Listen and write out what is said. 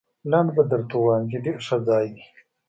لنډ به درته ووایم، چې ډېر ښه ځای دی.